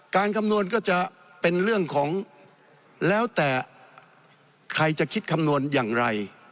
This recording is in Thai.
คำนวณก็จะเป็นเรื่องของแล้วแต่ใครจะคิดคำนวณอย่างไร